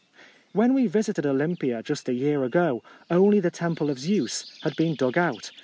When we visited Olympia just a year ago, only the temple of Zeus had been dug out.